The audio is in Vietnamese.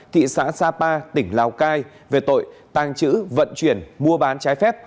thị xã sapa tỉnh lào cai về tội tàng trữ vận chuyển mua bán trái phép